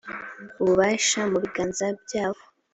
ububasha mu biganza byabo